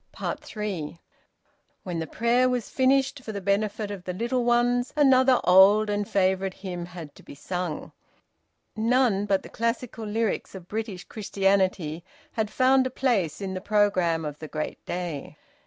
THREE. When the prayer was finished for the benefit of the little ones, another old and favourite hymn had to be sung. (None but the classical lyrics of British Christianity had found a place in the programme of the great day.)